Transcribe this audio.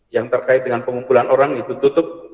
yang terkait dengan pengumpulan orang itu tutup